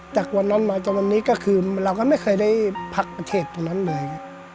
จากวันนั้นมาจนวันนี้ก็คือเราก็ไม่เคยได้พักประเทศตรงนั้นเลย